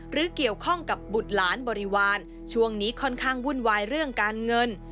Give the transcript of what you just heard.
หรือเกี่ยวข้องกับบุตรหลานบริวารช่วงนี้ค่อนข้างวุ่นวายเรื่องการเงิน